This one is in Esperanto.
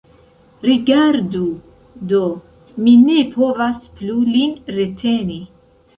Rigardu do, mi ne povas plu lin reteni.